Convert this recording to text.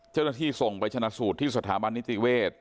เจ้าหน้าที่ส่งไปชนะสูตรที่สถาบันนิติเวศ